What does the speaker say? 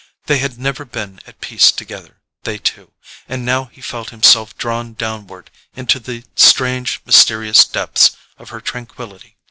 They had never been at peace together, they two; and now he felt himself drawn downward into the strange mysterious depths of her tranquillity.